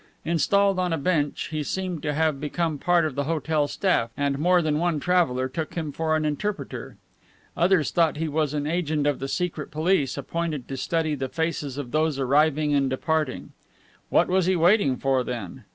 Installed on a bench, he seemed to have become part of the hotel staff, and more than one traveler took him for an interpreter. Others thought he was an agent of the Secret Police appointed to study the faces of those arriving and departing. What was he waiting for, then?